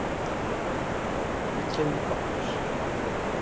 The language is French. Huitième du Corpus.